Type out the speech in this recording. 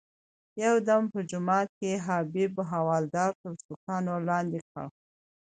یو دم په جومات کې حبیب حوالدار تر سوکانو لاندې کړ.